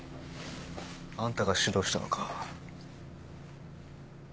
あんたが指導したのか？